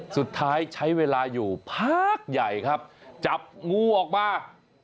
สุดท้ายใช้เวลาอยู่พักใหญ่ครับจับงูออกมา